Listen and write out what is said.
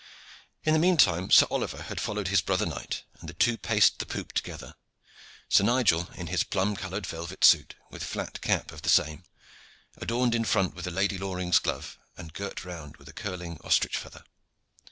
In the meantime Sir Oliver had followed his brother knight, and the two paced the poop together, Sir Nigel in his plum colored velvet suit with flat cap of the same, adorned in front with the Lady Loring's glove and girt round with a curling ostrich feather.